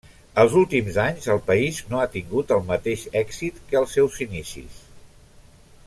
Els últims anys, el país no ha tingut el mateix èxit que als seus inicis.